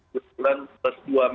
bulan plus dua